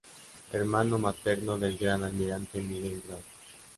Hermano materno del Gran Almirante Miguel Grau.